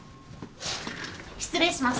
失礼します。